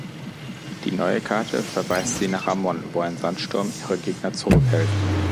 Die neue Karte verweist sie nach Ramon, wo ein Sandsturm ihre Gegner zurückhält.